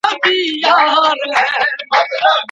د لاس لیکنه د ذهني بیدارۍ سبب ګرځي.